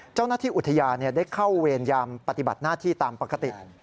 เจ้าหน้าที่อุทยานได้เข้าเวรยามปฏิบัติหน้าที่ตามปกติ